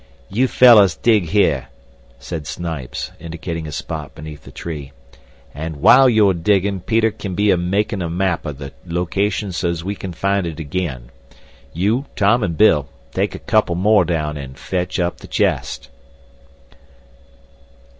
"You fellows dig here," said Snipes, indicating a spot beneath the tree. "And while you're diggin', Peter kin be a makin' of a map of the location so's we kin find it again. You, Tom, and Bill, take a couple more down and fetch up the chest."